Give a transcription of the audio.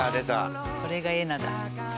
これが「エナッ」だ。